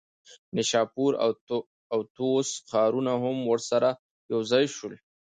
نیشاپور او طوس ښارونه هم ورسره یوځای شول.